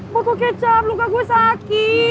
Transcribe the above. buku kecap luka gue sakit